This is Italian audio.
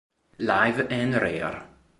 Live and Rare